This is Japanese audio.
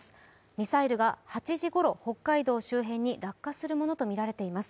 ミサイルが８時ごろ北海道周辺に落下するものとみられています。